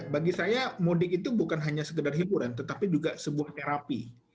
bagi saya mudik itu bukan hanya sekedar hiburan tetapi juga sebuah terapi